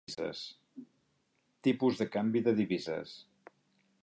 Tipus de canvi de divises.